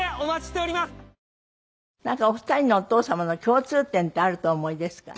お二人のお父様の共通点ってあるとお思いですか？